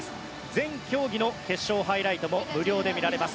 全競技決勝、ハイライトも無料で見られます。